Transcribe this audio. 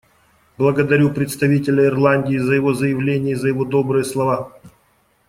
Благодарю представителя Ирландии за его заявление и за его добрые слова.